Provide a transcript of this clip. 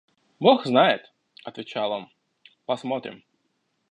«Бог знает, – отвечал он, – посмотрим.